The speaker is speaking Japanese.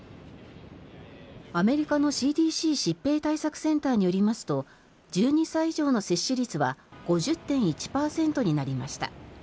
アメリカのＣＤＣ・疾病対策センターによりますと１２歳以上の接種率は５０．１％になりました。